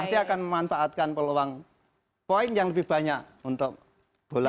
pasti akan memanfaatkan peluang poin yang lebih banyak untuk bola